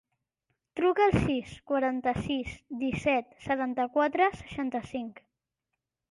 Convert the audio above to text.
Truca al sis, quaranta-sis, disset, setanta-quatre, seixanta-cinc.